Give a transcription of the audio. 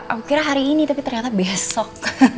aku kira hari ini tapi ternyata besok